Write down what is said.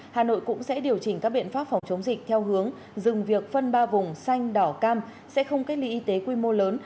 hà nội cũng sẽ điều chỉnh các biện pháp phòng chống dịch theo hướng dừng việc phân ba vùng xanh đỏ cam sẽ không cách ly y tế quy mô lớn